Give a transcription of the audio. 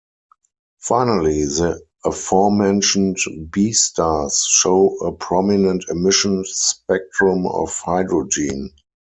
Finally, the aforementioned Be stars show a prominent emission spectrum of hydrogen.